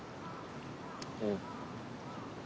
うん。